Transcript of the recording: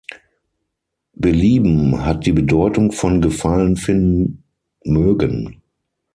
Belieben hat die Bedeutung von "Gefallen finden, mögen".